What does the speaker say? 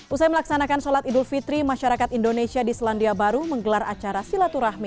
usai melaksanakan sholat idul fitri masyarakat indonesia di selandia baru menggelar acara silaturahmi